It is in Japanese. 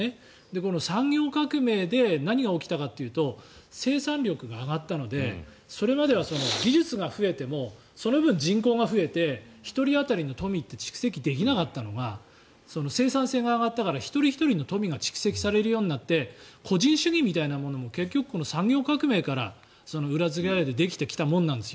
この産業革命で何が起きたかというと生産力が上がったのでそれまでは技術が増えてもその分、人口が増えて１人当たりの富って蓄積できなかったのが生産性が上がったから一人ひとりの富が蓄積されるようになって個人主義みたいなものも結局、この産業革命から裏付けられてできてきたものなんですよ。